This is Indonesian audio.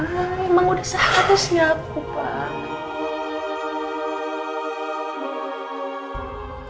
emang udah seharusnya bu pak